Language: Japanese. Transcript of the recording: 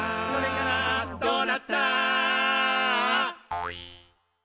「どうなった？」